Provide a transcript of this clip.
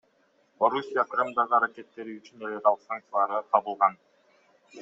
Орусия Крымдагы аракеттери үчүн эл аралык санкцияларга кабылган.